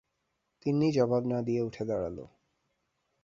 তিন্নি জবাব না-দিয়ে উঠে দাঁড়াল।